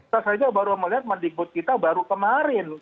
saya saja baru melihat mendikbud kita baru kemarin